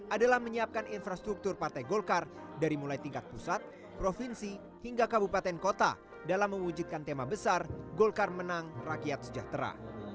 adalah menyiapkan infrastruktur partai golkar dari mulai tingkat pusat provinsi hingga kabupaten kota dalam mewujudkan tema besar golkar menang rakyat sejahtera